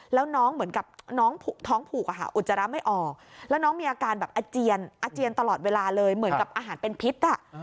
แล้วน้องเหมือนกับน้องท้องผูกอะค่ะอุจจาระไม่ออกแล้วน้องมีอาการแบบอาเจียนอาเจียนตลอดเวลาเลยเหมือนกับอาหารเป็นพิษ